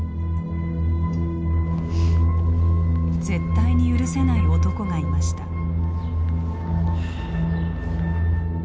絶対に許せない男がいました。